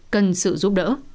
cần sự giúp đỡ